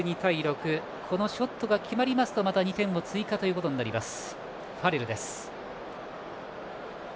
このショットが決まるとまた２点追加となります。